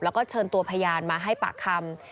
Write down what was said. แล้วก็เชิญตัวพยานมาให้ปากคำ